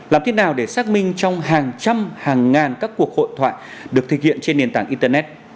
làm thế nào để xác minh trong hàng trăm hàng ngàn các cuộc hội thoại được thực hiện trên nền tảng internet